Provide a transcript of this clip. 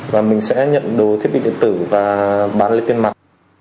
và mình sẽ nhận đồ thiết bị điện tử và bán lấy tiền mặt